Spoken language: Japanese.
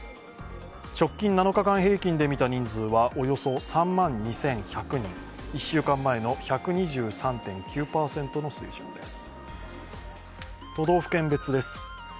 直近７日間平均で見た人数は、およそ３万２１００人、１週間前の１２３．９％の水準です。